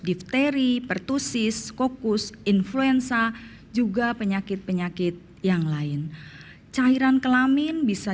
dipteri pertussis kokus influenza juga penyakit penyakit yang lain cairan kelamin bisa